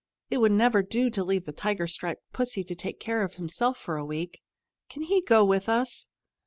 It would never do to leave the tiger striped pussy to take care of himself for a week. "Can he go with us?"